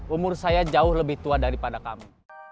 umur saya jauh lebih tua daripada kami